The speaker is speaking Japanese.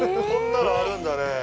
こんなのあるんだね。